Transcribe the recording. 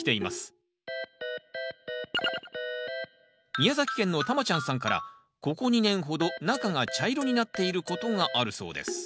宮崎県のたまちゃんさんからここ２年ほど中が茶色になっていることがあるそうです